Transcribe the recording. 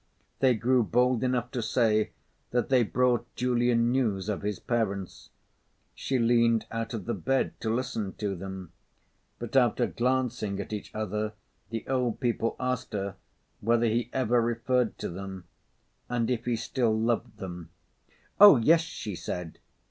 They grew bold enough to say that they brought Julian news of his parents. She leaned out of the bed to listen to them. But after glancing at each other, the old people asked her whether he ever referred to them and if he still loved them. "Oh! yes!" she said.